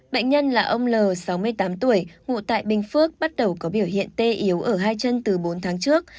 bệnh nhân là ông l sáu mươi tám tuổi ngụ tại bình phước bắt đầu có biểu hiện tê yếu ở hai chân từ bốn tháng trước